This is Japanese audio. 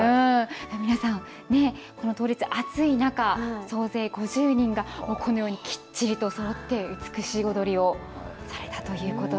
皆さん、当日暑い中、総勢５０人がこのようにきっちりとそろって美しい踊りをされたということ